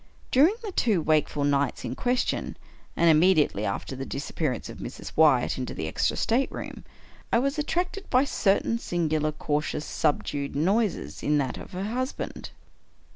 During the two wakeful nights in question, and immediately after the disappearance of Mrs. Wyatt into the extra stateroom, I was attracted by certain singular, cau tious, subdued noises in that of her husband.